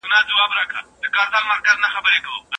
ما د هغوی پام تجربو ته اړولی دی.